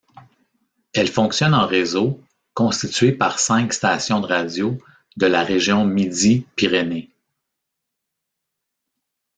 Elle fonctionne en réseau, constitué par cinq stations de radio de la région Midi-Pyrénées.